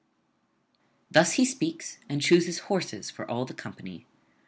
Thus he speaks, and chooses horses for all the company.